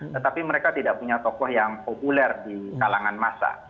tetapi mereka tidak punya tokoh yang populer di kalangan masa